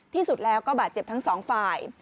ที่สุดแล้วก็บาดเจ็บทั้งสองฝ่าย